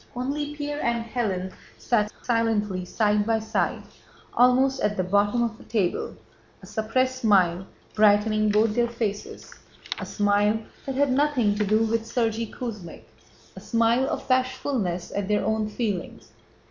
Only Pierre and Hélène sat silently side by side almost at the bottom of the table, a suppressed smile brightening both their faces, a smile that had nothing to do with Sergéy Kuzmích—a smile of bashfulness at their own feelings.